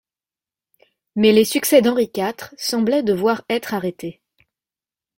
Mais les succès d'Henri quatre semblaient devoir être arrêtés.